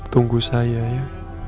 tunggu saya ya